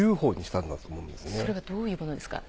それはどういうものですか？